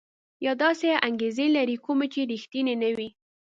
یا داسې انګېزې لري کومې چې ريښتيني نه وي.